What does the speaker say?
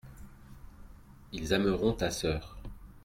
ils aimeront ta sœur.